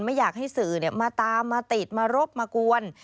ไม่อยากให้สื่อมาตามมาติดมารบมากวน